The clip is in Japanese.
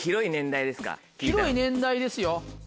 広い年代ですよ。